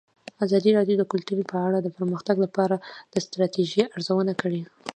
ازادي راډیو د کلتور په اړه د پرمختګ لپاره د ستراتیژۍ ارزونه کړې.